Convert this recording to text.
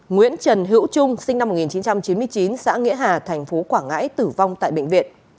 bảy nguyễn trần hữu trung sinh năm một nghìn chín trăm chín mươi chín xã nghĩa hà tp quảng ngãi tử vong tại bệnh viện